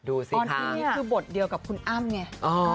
ดูสิตอนที่นี่คือบทเดียวกับคุณอ้ำไง